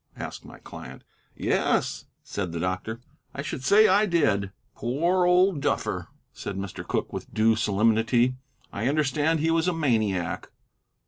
asked my client. "Yes," said the doctor, "I should say I did." "Poor old duffer," said Mr. Cooke, with due solemnity; "I understand he was a maniac."